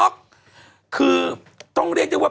ก็คือต้องเรียกได้ว่า